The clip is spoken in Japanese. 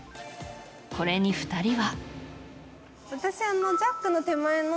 これに２人は。